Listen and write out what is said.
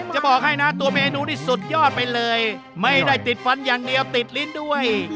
จะบอกให้นะตัวเมนูนี่สุดยอดไปเลยไม่ได้ติดฟันอย่างเดียวติดลิ้นด้วย